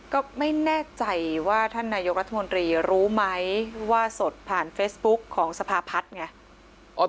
ก็ไม่แน่ใจว่าท่านนายกรัฐมนตรีรู้ไหมว่าสดผ่านเฟซบุ๊กของสภาพัฒน์ไง